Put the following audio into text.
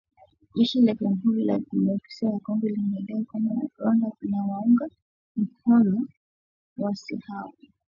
jeshi la Jamuhuri ya Demokrasia ya Kongo limedai kwamba Rwanda inawaunga mkono waasi hao